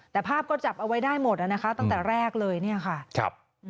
แต่ภาพก็จับเอาไว้ได้หมดอ่ะนะคะตั้งแต่แรกเลยเนี่ยค่ะครับ